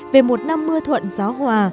về một năm mưa thuận gió hòa